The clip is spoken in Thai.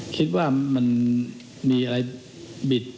คิดว่ามันมีอะไรบิด